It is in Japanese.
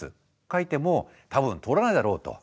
書いても多分通らないだろうと。